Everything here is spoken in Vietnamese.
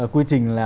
quy trình là